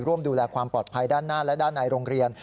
ร่วมดูแลความปลอดภัยด้านหน้าและด้านในโรงเรียน